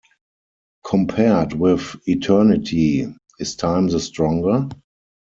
Compared with eternity, is time the stronger?